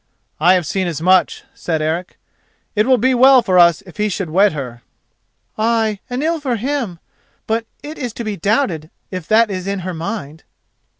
"I have seen as much," said Eric. "It will be well for us if he should wed her." "Ay, and ill for him; but it is to be doubted if that is in her mind."